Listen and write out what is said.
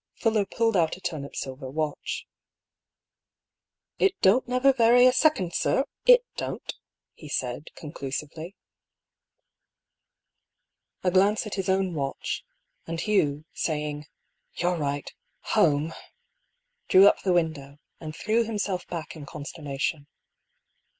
Fuller pulled out a turnip silver watch. " It don't never vary a second, sir, it don't," he said, conclusively. 212 DR. PAULL'S THEORY. A glance at his own watch, and Hugh, saying, " You're right, Aowe," drew up the window, and threw himself back in consternation.